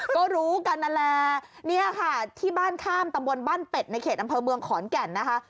ก็รู้กันนั่นแหละเนี่ยค่ะที่บ้านข้ามตำบลบ้านเป็ดในเขตอำเภอเมืองขอนแก่นนะคะ